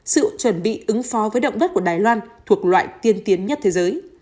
sự chuẩn bị ứng phó với động đất của đài loan thuộc loại tiên tiến nhất thế giới